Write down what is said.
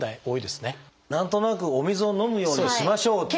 何となくお水を飲むようにしましょうっていうね。